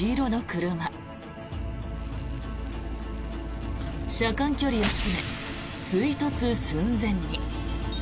車間距離を詰め、追突寸前に。